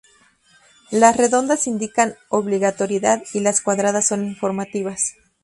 Las redondas indican obligatoriedad y las cuadradas son informativas.